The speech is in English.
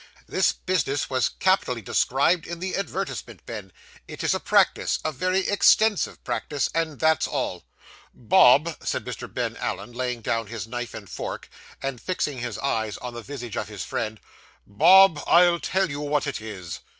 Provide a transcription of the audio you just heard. This business was capitally described in the advertisement, Ben. It is a practice, a very extensive practice and that's all.' 'Bob,' said Mr. Ben Allen, laying down his knife and fork, and fixing his eyes on the visage of his friend, 'Bob, I'll tell you what it is.